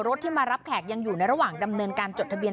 ที่มารับแขกยังอยู่ในระหว่างดำเนินการจดทะเบียน